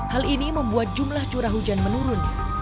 hal ini membuat jumlah curah hujan menurun